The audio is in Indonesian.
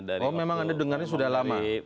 kalau memang anda dengarnya sudah lama